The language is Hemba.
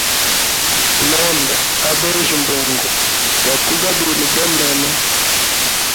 Londa abejya mbungu gwakugabile bomene.